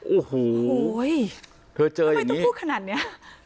โอ้โหเธอเจออย่างนี้ทำไมต้องพูดขนาดเนี้ย